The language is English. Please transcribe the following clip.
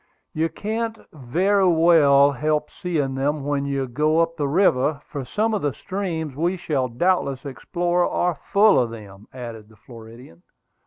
"You can't very well help seeing them when you go up the river, for some of the streams we shall doubtless explore are full of them," added the Floridian.